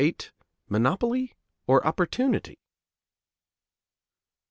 VIII MONOPOLY, OR OPPORTUNITY?